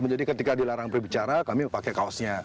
jadi ketika dilarang berbicara kami pakai kaosnya